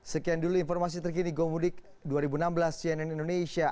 sekian dulu informasi terkini gomudik dua ribu enam belas cnn indonesia